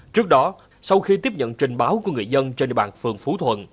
trước đó sau khi tiếp nhận trình báo của công an tp hcm